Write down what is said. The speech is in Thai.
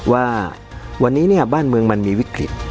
ว่าวันนี้เนี่ยบ้านเมืองมันมีวิกฤต